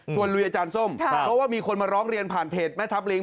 ลุยอาจารย์ส้มเพราะว่ามีคนมาร้องเรียนผ่านเพจแม่ทัพลิง